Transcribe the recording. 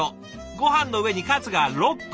ごはんの上にカツが６個。